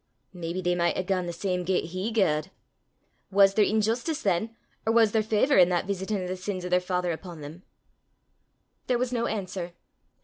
"Maybe they micht hae gane the same gait he gaed!" "Was there injustice than, or was there favour i' that veesitation o' the sins o' their father upo' them?" There was no answer.